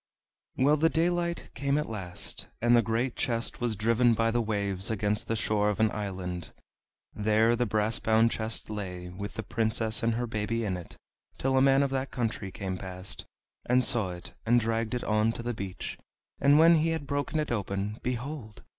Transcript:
Well, the daylight came at last, and the great chest was driven by the waves against the shore of an island. There the brass bound chest lay, with the Princess and her baby in it, till a man of that country came past, and saw it, and dragged it on to the beach, and when he had broken it open, behold!